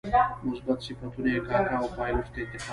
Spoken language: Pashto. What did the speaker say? مثبت صفتونه یې کاکه او پایلوچ ته انتقال کړي.